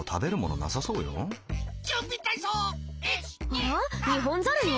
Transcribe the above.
あらニホンザルよ。